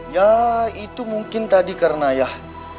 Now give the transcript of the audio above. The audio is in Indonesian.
ya itu mungkin tadi karena ya